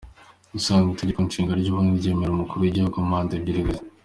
Ubusanzwe Itegeko Nshinga ry’u Burundi ryemerera umukuru w’igihugu manda ebyiri gusa.